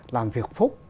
làm việc phúc